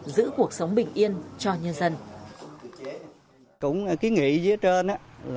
giữ cuộc sống bình yên cho nhân dân